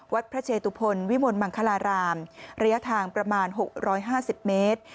วัดพระเชตุพลวิมลมังคลารามระยะทางประมาณ๖๕๐เมตร